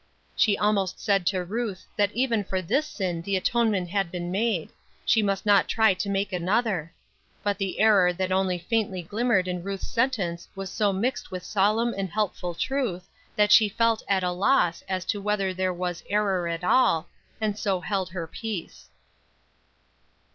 She almost said to Ruth that even for this sin the atonement had been made; she must not try to make another. But the error that only faintly glimmered in Ruth's sentence was so mixed with solemn and helpful truth that she felt at a loss as to whether there was error at all, and so held her peace.